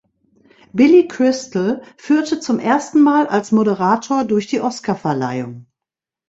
Billy Crystal führte zum ersten Mal als Moderator durch die Oscarverleihung.